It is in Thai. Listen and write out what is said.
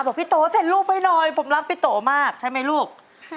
บอกพี่โตเสร็จลูกไว้หน่อยผมรักพี่โตมากใช่ไหมลูก